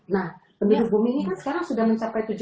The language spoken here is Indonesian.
nah pemilihan bumi ini kan sekarang sudah mencapai